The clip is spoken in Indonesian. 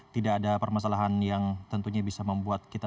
tidak ada permasalahan yang tentunya bisa membuat kita